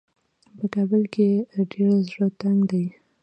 په کابل کې یې ډېر زړه تنګ دی.